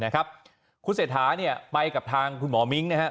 กับคุณเศรษฐาเป็นทางคุณหมอมิ้งนะครับ